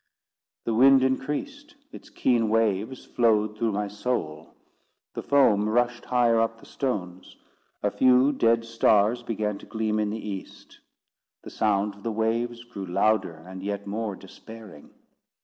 The wind increased; its keen waves flowed through my soul; the foam rushed higher up the stones; a few dead stars began to gleam in the east; the sound of the waves grew louder and yet more despairing.